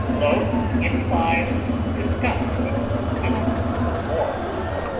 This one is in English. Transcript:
Loathe implies disgust, physical or moral.